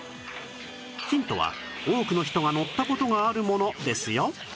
ヒントは多くの人が乗った事があるものですよ